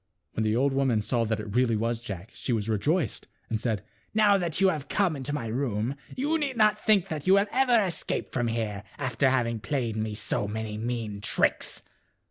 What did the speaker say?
When the old woman saw that it really was Jack she was rejoiced and said, " Now that you have come into my room you need not think that you will ever escape from here, after having played me so many mean tricks."